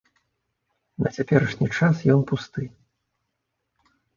На цяперашні час ён пусты.